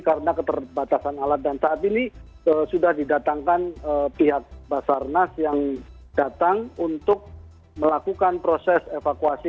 karena keterbatasan alat dan saat ini sudah didatangkan pihak basarnas yang datang untuk melakukan proses evakuasi